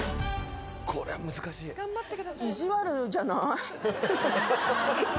これは難しいイジワルじゃない？